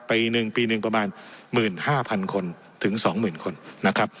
ปีหนึ่งปีหนึ่งประมาณหมื่นห้าพันคนถึงสองหมื่นคนนะครับ